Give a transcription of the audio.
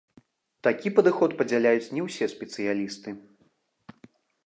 Такі падыход падзяляюць не ўсе спецыялісты.